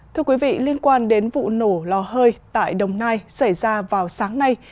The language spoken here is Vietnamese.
thưa quý vị liên quan đến vụ nổ lò hơi tại đồng nai xảy ra vào sáng nay